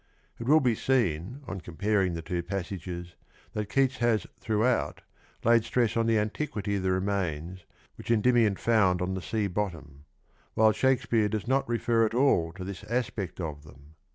It will be seen on comparing the two passages that Keats has throughout laid stress on the antiquity of the remains w^hich Endy mion found on the sea bottom, while Shakespeare does not refer at all to this aspect of them.